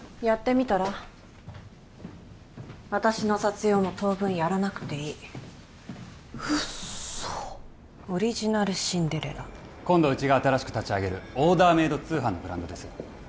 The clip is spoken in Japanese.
やってみたら私の雑用も当分やらなくていいウッソ「オリジナルシンデレラ」今度うちが新しく立ち上げるオーダーメード通販のブランドです